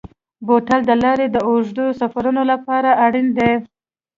بوتل د لارې د اوږدو سفرونو لپاره اړین دی.